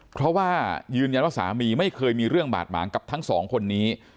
เพราะว่ายืนยันว่าสามีไม่เคยมีเรื่องบาดหมางกับทั้งสองคนนี้